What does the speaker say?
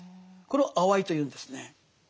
これを「あわい」というんですね。